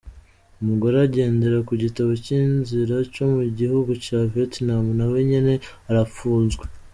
Umugore agendera ku gitabo c'inzira co mu gihugu ca Vietnam nawe nyene arapfunzwe.